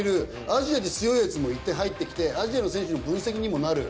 アジアで強いやつもいて入ってきてアジアの選手の分析にもなる。